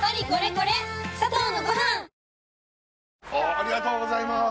ありがとうございます